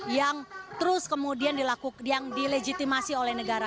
yang terus kemudian yang dilegitimasi oleh negara